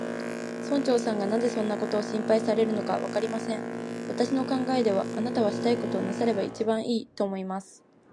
村長さんがなぜそんなことを心配されるのか、わかりません。私の考えでは、あなたはしたいことをなさればいちばんいい、と思います。